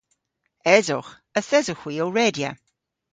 Esowgh. Yth esowgh hwi ow redya.